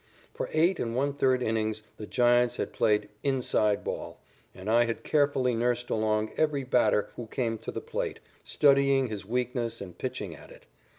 For eight and one third innings the Giants had played "inside" ball, and I had carefully nursed along every batter who came to the plate, studying his weakness and pitching at it.